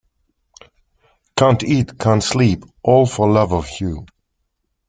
Can't eat, can't sleep — all for love of you.